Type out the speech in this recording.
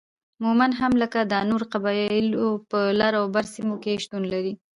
مومند هم لکه دا نورو قبيلو په لر او بر سیمو کې شتون لري